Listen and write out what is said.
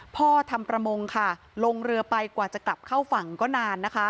พ่อแม่ของในเองแยกทางกัน